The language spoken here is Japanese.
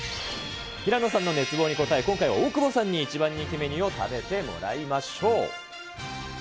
平野さんの熱望に応え、今回は大久保さんに一番人気メニューを食べてもらいましょう。